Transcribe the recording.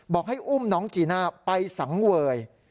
ให้อุ้มน้องจีน่าไปสังเวย